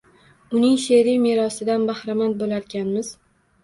Uning she’riy merosidan bahramand bo’larkanmiz.